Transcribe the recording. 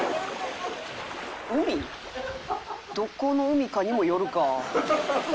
どこの海かにもよるか。